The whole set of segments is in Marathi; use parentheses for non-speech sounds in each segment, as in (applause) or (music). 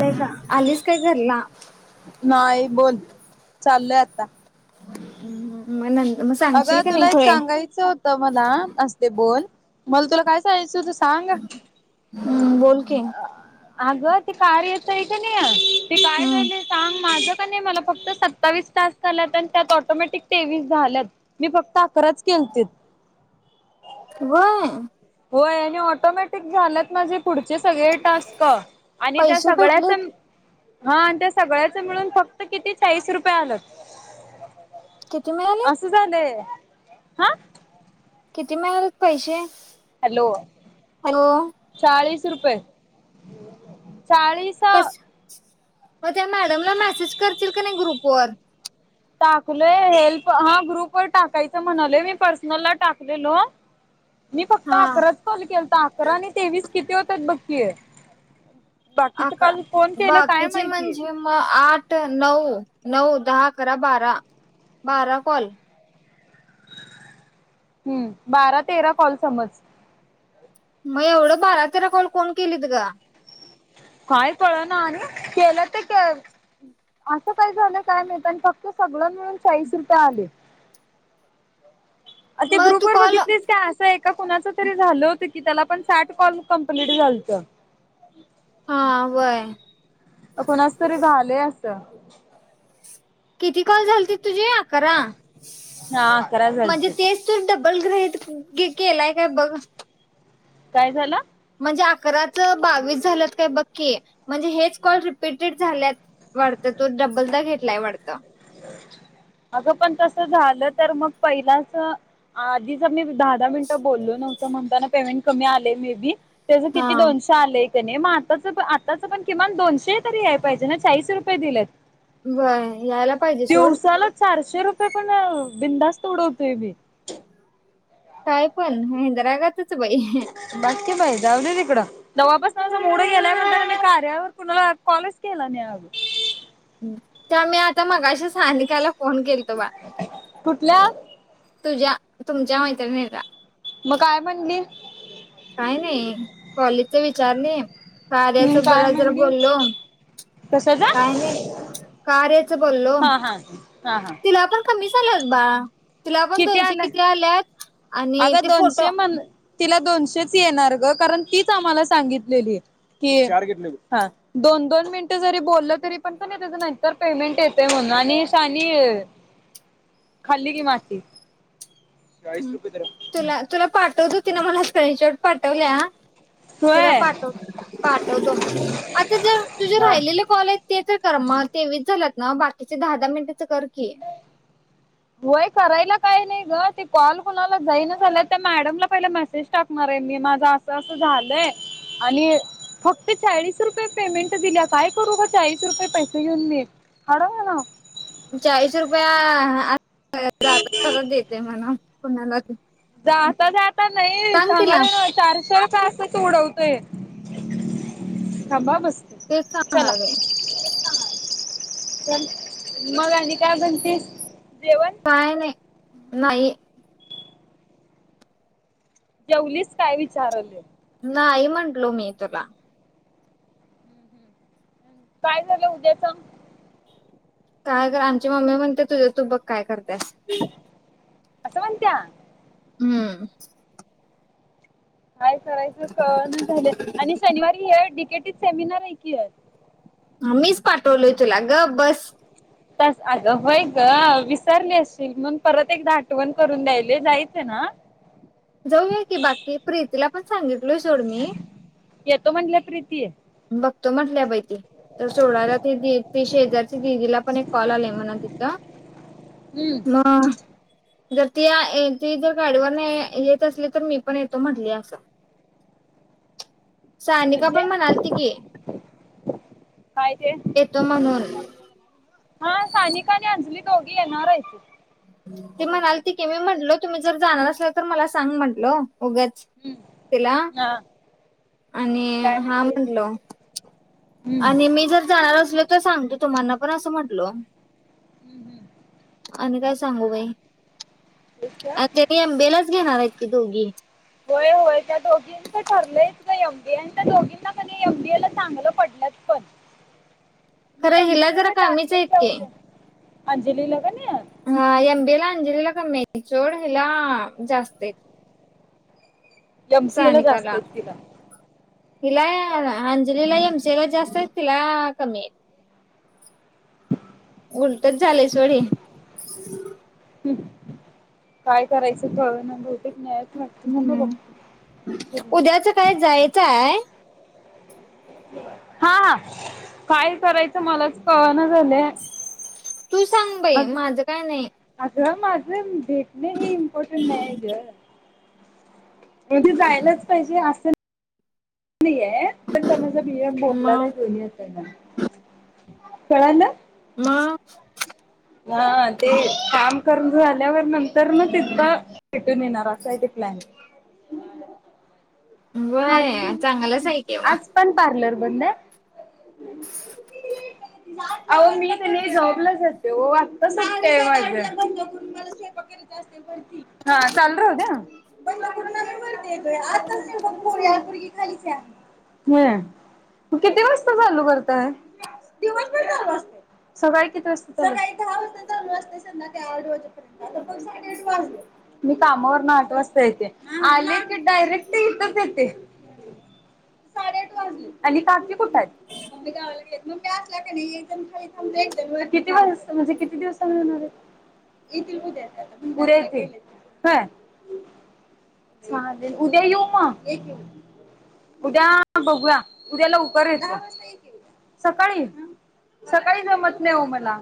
काय ग आलीस काय घरला नाही बोल चाललय आता म न मग सांगशील का नाही खुळे यच होत मला असते बोल मला तुला काय सांगयचं होत सांग हम्म बोल की अग ते कार्यच आहे की नाही ते का हम ते काम माझ कनई मला फक्त सत्तावीस टास्क झालात आणि त्यात ऑटोमॅटिक तेवीस झाल्यात मी फक्त अकराच केलतीत होय होय आणि ऑटोमॅटिक झालंत माझे पुढचे सगळे टास्क आणि त्या पैसे सगळ्याच भेटलेत हा आणि त्या सगळ्याच मिळून फक्त किती चाळीस रुपये आल्यात किती मिळालेत? तझा हा किती मिळेलत पैसे हॅलो हॅलो चाळीस रुपये चाळीस कस मग त्या मॅडमला मेसेज करतील का नाही ग्रुप वर टाकलय हेल्प हा ग्रुप व टाकायचं म्हणालेय मी पर्सनलला टाकलेलो (unintelligible) मी फक्त हा अकराच कॉल केलत अकरा आणि तेवीस किती होतात बक्की बाकीच काल कोन केलं काय माहिती म आठ, नऊ, नऊ, दहा, आकरा, बारा, बारा कॉल हम्म बारा, तेरा कॉल समज मग एवढं बारा तेरा कोल कोण केलीत ग काय कळ ना आणि केलं ते असं काय झालं काय नाहीत आणि फक्त सगळं मिळून चाळीस रुपये आले ते मग तू ग्रुप वर कॉल बघितलीस असं एका कुणाच तरी झालं होतं की त्याला पण साठ कॉल कमप्लीट झालत हा वय कोणाच तरी झाले असं किती कॉल झालतीत तुझी आकरा हा अकरा म्हणजे झालतीत तेच त डबल ग्रेट केलाय काय बघ काय झालं? म्हणजे अकराच बावीस झालंत काय बक्की म्हणजे हेच कॉल रिपीटेड झाल्यात वाढतं तो डबलदा घेतलाय वाढतं अगं पण तस झालं तर मग पहिलाच आधीच मी दहा, दहा मिनट बोललो नव्हताना म्हणता पमेंट कमी आलय मे बी त्याझं हा किती दोनशे चाल आहे क नाही मग आताच आताच पण किमान दोनशे तरी आहे पाहिजे ना चाळीस रुपये दिले बरं यायला पाहिजे सोड दिवसाला चारशे रुपये पण बिंदास्त उडवतोय मी काय पण हेंद रागातच बाई बाकीकी बाई जाऊ ना तिकडं जव्हापासूनझ मुडं गेल्यानंतर मी कार्यावर कुणाला कॉलेज केला नाहीग त्या मी आता मगाशी स्थहानिकायला फोन केल तो बा कुठल्या? तुझ्या तुमच्या मैत्रिणी रा मग काय म्हणली. काही नाही कॉलेजचा विचारले. का्याच हम्म काय बरा जरा म्हणली बोललो कशाचा काय नाही. कार्याच बोललो हा हा हा हा तिला आपण कमी झाचालत बा तिला पण दोनशे किती आलेत अगं दोनशे म्हण तिला दोनशेच येणार ग कारण तीच आम्हाला सांगितलेली आहे ह दोन दोन मिनिटं जरी बोललं तरी पण पण त्याच नाहीतर पेमेंट येते म्हणून आणि सा आणि खाली की माशी तुला तुला पाठवत होती ना मला स् शवट पाठवल्या त्याला होय पाठव पाठवतो आता जर तुझे राहिलेले कॉलेज ते तर कर मग तेवीच झाल्यात ना बाकीचे दहा दहा मिनिटेचं कर की होय करायला काय नाही ग ते कॉल कोणाला जाईना झाल्या त्या मॅडमला पहिला मेसेज टाक. णारे मी माझं असं अस झालंय आणि फक्त चाळीस रुपये पेमेंट दिल्या काय करू ग चाळीस रुपये पैसे घेऊन म हड ह ना. चाळीस रुपया जात ज देते म्हण कुणाला? जा जात नाही सांग तिला सांगाले ना चारशे. अस अस त उडवतय ांबा बस. ते चांगणार रे. च मग आ काय बणते देव काय नाही नाही. जेवलीच काय विचारले. नाही म्हटलो मी तुला काय झालं उद्या सग काय कर आमची मम्मी म्हणते तुझ्या तू बघ काय करतेस? असवंत्या. हम्म. काय करायचं कण झालं आणि शनिवारी हे डीकेटीच सेमिनार आहे की मीच पाठवलोय तुला ग बस. ह. त अग होय ग विसारली असशील मण परत एकदा आठवण करून द्यायले जायचं ना. ह. जाऊया की बाकी प्रीतीला पण सांगितलो सोड म येतो म्हणटलं प्रीती आहे. बघतो म्हटल्या बाहिती तर सोडाला त ती शेजार दिदीला पण एक कॉल आलाय म्हणा तिथं. हम्म ह. जर ती ती जर गाडीवर नाही येत असली तर मी पण येतो म्हटली असं. (unintelligible) सानिका म्हणजे पण म्हणाली त काय ते येतो म्हणून हा सानिका आणि अंजली दोगी येणारयती. ती म्हणाल तिके मी म्हटलो तुम्ही जर जाणार असल तर मला सांग म्हटल उगंच हम्म तिला हा आणि काय हा म्हणते? म्हटलो. हम्म आणि मी जर जाणार असलो तर सांगतो तुम्हाना पण असं म्हटलो. हम्म हम्म आणि काय सांगू बाई आ एमबी लाच घेणार आहेत ती दोघी. होय होय त्यातो ठरलंय ग एमबीए आणि त्या दोघींना क एमबीए ला चांगलं पडलंत पण (inaudible) खरं हिला जरा एमसीएच कामीच टार्गेट आहेततक ठेवलय. अंजलीला कन हा एमबीला अंजलीला कमी चोड हला जास्त आहे एमसीए ला जास्त सानिकला आहेत तिला. तिला अंजलीला एमचेला जास्त तिला कमी आहे. उलटच झाले स वोडे काय करायचं कळ ना ब एक न्यायाच वाटत थांभ बघतो. त्याच काय जाय. काय? हा हा काय करायच मलाच कळना झालं तू सांग अ बाई माझं काय नाही अग माझं भेटणे हे इम्पॉर्टंट नाही आहे ग म्ह ते जायलाच पाहिजे असं नाहीये पण माझा बिया भोमला मग नाही दोनया त्यांना कळालं म हा ते काम करून झाल्यावर नंतर ना त इतका भेटून येणार असाय ते प्लॅन खाली बय चांगलाच आहेके मग आज पण पार्लर बन अह मी त्यांनी जॉबलाचेत तेव वाटत सांगतय माझ मला स्वक करायच अस हा चाल होत्याेत ा तू किती वाजता चालू करताय दिवस पण चालू असते सकाळी किती सकाळी दहा वाजता चालू असते संध्याकाळी आठ वाजेपर्य आ पण साडेआठ वाजले मी कामावरून आठ वाजता येते आले की डायरेक्ट इेतच येते साडेआठ वाजली आणि काजी कुठची मग्मी गावाला घेत मगी असला का नाही एक जण खा थांबो एक व किती वज असत म्हणजे किती दिवसांना होणार पुरे ह चालेल, उद्या येऊ म? उद्या बघूया, उद्या लवकर येतो. सकाळी, सकाळी जमत नाही हो मला.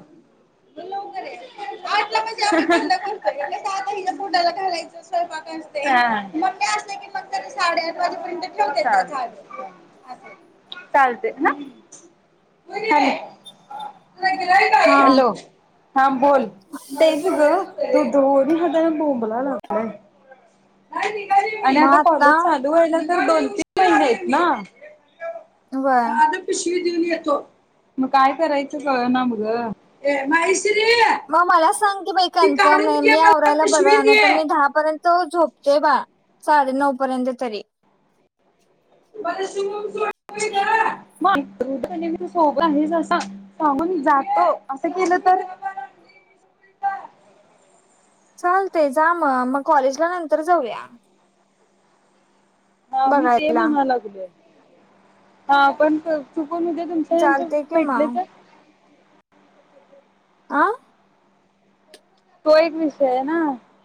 आठला, म्हणजे (unintelligible) आता पोटाला घालायचं. (unintelligible) (inaudible) साडेआठ वाजेपर्यंत ठेवत्या, चालते हा. हा हॅलो? हां बोल, तेच ग तू दोरी हात बोंबला लागलंय. आणि आता कॉलेज चालू व्हायला तर दोन तीन महिने आहेत ना? होय. पिशवी देऊन येतो, मग काय कारायच काळानाच ग, ऐ महिश्री मग मला सांग की बाई कन्फर्म नाही तर मी मला आवरायला पिशवी बरं, दे नाहीतर तर मी दहापर्यंत त झोपतोय बाळ, साडे नऊ पर्यंत तरी (unintelligible) (inaudible) सांगून जातो, असं केलं तर. चालतय जा म, मग कॉलेजला नंतर जाऊया. हा, मी ते बघायला म्हणा लागलोय, हा पण चुकून तुमच आणि आमच चालते पप्पा कि भेटलं मग तर आं तो एक विषय आहे ना,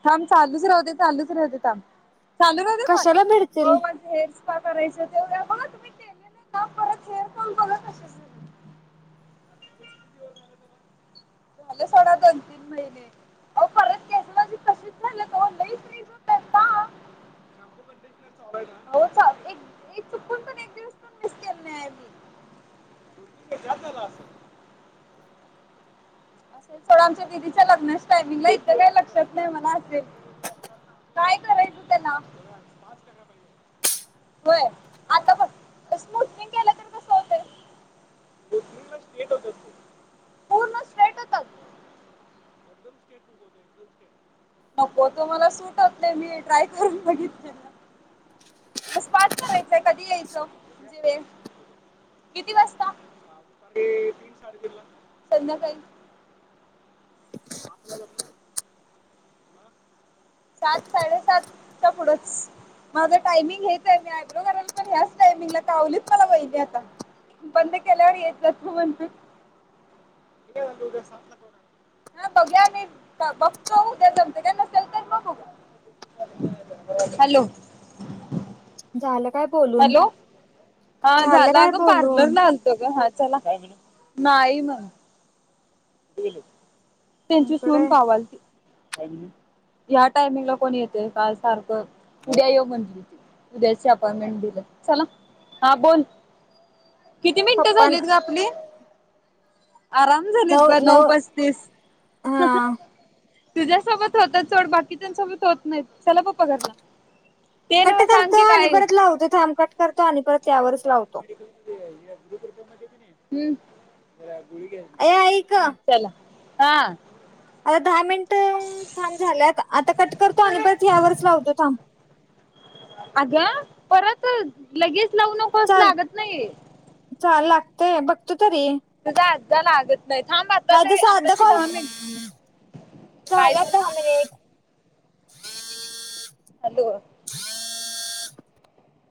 थांब चालूच राहुदे, चालूच राहुदे थांब. चालू राहुदे कॉल, कशाला भिडतील हो म्हणजे हेच का करायचं (unintelligible) (inaudible) झालं सोडा दोन तीन महिने. (unintelligible) (inaudible) हो चाल चुकून पण एक दिवस पण मिस केले नाही मी. (unintelligible) (inaudible) असुदे सोडा, आमच्या दिदीच्या लग्नाच्या टायमिंगला इथं काही लक्षात नाही म्हणा असे काय करायचं तेला? होय, आता बग स्मूथनिंग केलं तर (unintelligible) (inaudible) पूर्ण स्ट्रेट होतात. नको तो मला सुटत होत नाही, मी ट्राय करून बघितलेल. म स्पा करायचंय, कधी यायचं (unintelligible) किती वाजता? तीन, साडेतीनला, किती वाजता संध्याकाळी? (unintelligible) (inaudible) सात साडेसातच्या पुढच. माझं टायमिंग हेच आहे, मी आयब्रो करायला पण ह्याच टायमिंगला, कावलीच मला वहिनी आता. बंद केल्यावर येत जा तु म्हणून. (unintelligible) (inaudible) हा बघूया मी बघतो उद्या जमतय काय, नसेल तर मग बघ हॅलो? झालं काय बोलून? हॅलो हा झालं झाला, काय अगं बोलून पार्लरला आलतो ग, हा चला नाही त्यांची सून इकडे कावालती ह्या टायमिंगला कोण येतेय काय सारखं, उद्या ये म्हंटली ती. उदयाची अपॉइंटमेंट दिले, चला, हा बोल. किती मिनिटं पप्पा झालीत ग आपली आराम झालीत ब नऊ पस्तीस हा तुझ्यासोबत होत चड बाकीच्यासोबत होत नाहीत चला पप्पा घरला ते कट नव्ह सांग करतो की आणि काय परत लावतो थांब कट करतो आणि परत त्यावरच लावतो पर घती गु ग अ ऐ का ला हा आता दहा मिनिट थांब झाल्यात आता कट करतो आणि परच यावरच लावतो थांब अगं परत लगेच लावू नकोस चाल लागत नाही चाल लागतेय बघतो तरी तुझा अज झाला लागत नाही थांब आता नाही तर तरी साधा आताची कॉल दहा मिनट काय झाल्यात दहा झालं मिनिट अध